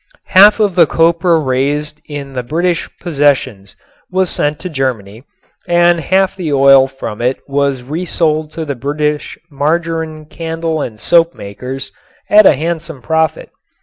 Half of the copra raised in the British possessions was sent to Germany and half of the oil from it was resold to the British margarin candle and soap makers at a handsome profit.